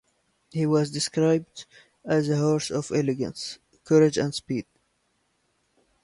He was described as a horse of elegance, courage and speed.